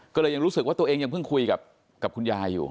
ก็เลยยังรู้สึกว่าตัวเองยังเพิ่งคุยกับคุณยายอยู่